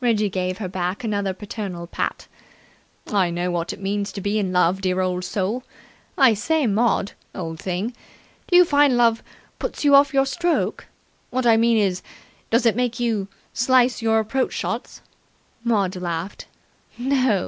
Reggie gave her back another paternal pat. "I know what it means to be in love, dear old soul. I say, Maud, old thing, do you find love puts you off your stroke? What I mean is, does it make you slice your approach shots?" Maud laughed. "No.